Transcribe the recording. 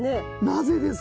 なぜですか？